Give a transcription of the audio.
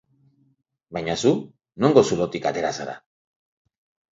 Baina zu, nongo zulotik atera zara?